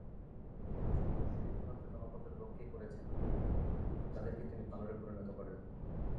কেবল সেই একটি মাত্র জনপদের লোককেই করেছেন যাদেরকে তিনি বানরে পরিণত করেন।